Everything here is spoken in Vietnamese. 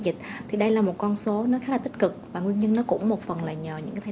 dịch thì đây là một con số nó khá là tích cực và nguyên nhân nó cũng một phần là nhờ những cái thay